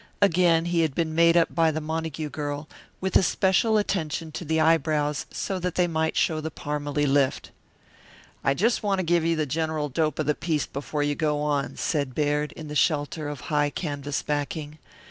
Again he had been made up by the Montague girl, with especial attention to the eyebrows so that they might show the Parmalee lift. "I just want to give you the general dope of the piece before you go on," said Baird, in the shelter of high canvas backing.